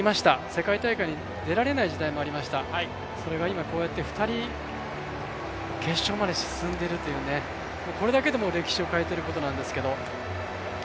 世界大会に出られない時代もありました、それが今こうやって２人、決勝まで進んでいるというこれだけでも歴史を変えてることなんですけど。